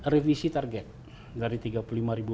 revisi target dari tiga puluh lima ribu